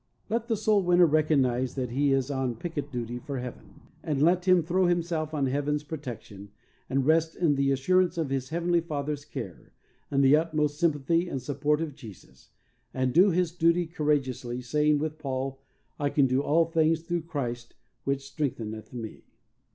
Let the soul winner recog nize that he is on picket duty for Heaven, and let him throw himself on Heaven's protec tion and rest in the assurance of his Heavenly Father's care, and the utmost sympathy and support of Jesus, and do his duty courage ously, .saying with Paul, "I can do all things through Christ which strengtheneth me."